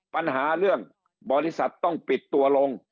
ปัญหาเรื่องบริษัทต้องปิดตัวลง